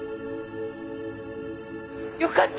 よかった！